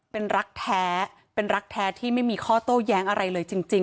เป็นรักแท้เป็นรักแท้ที่ไม่มีข้อโต้แย้งอะไรเลยจริง